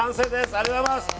ありがとうございます！